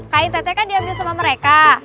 kain teteh kan diambil sama mereka